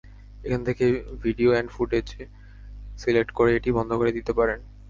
এখান থেকে video and ফটোজে সিলেক্ট করে এটি বন্ধ করে দিতে পারেন।